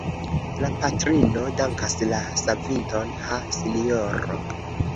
La patrino dankas la savinton: Ha, sinjoro!